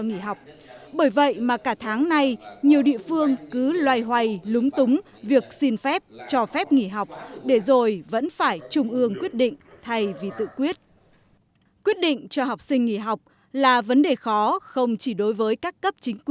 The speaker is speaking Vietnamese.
nghỉ học đi học trở lại rồi lại nghỉ học để rồi sau khi có quyết định thì lại tất bật lo lắng cho phù hợp hơn